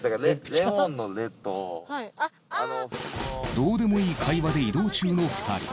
どうでもいい会話で移動中の２人。